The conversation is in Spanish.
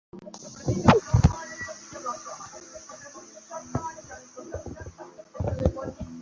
Ahora veamos esta función en coordenadas cartesianas.